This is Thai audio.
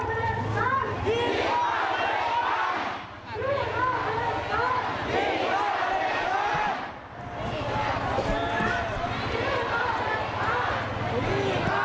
วิทยาลัยเมริกาวิทยาลัยเมริกา